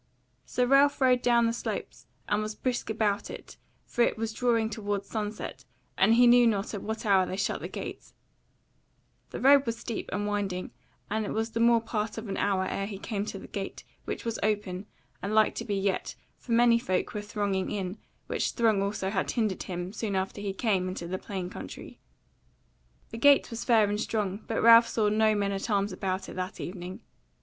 So Ralph rode down the slopes and was brisk about it, for it was drawing toward sunset, and he knew not at what hour they shut their gates. The road was steep and winding, and it was the more part of an hour ere he came to the gate, which was open, and like to be yet, for many folk were thronging in, which throng also had hindered him soon after he came into the plain country. The gate was fair and strong, but Ralph saw no men at arms about it that evening.